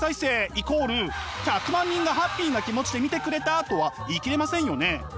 イコール１００万人がハッピーな気持ちで見てくれたとは言い切れませんよね。